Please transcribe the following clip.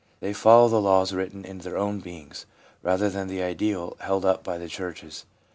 They follow the laws written in their own beings, rather than the ideal held up by the churches.